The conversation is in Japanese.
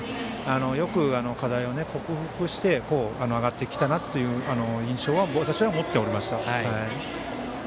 よく課題を克服して上がってきたなという印象は私は持っております。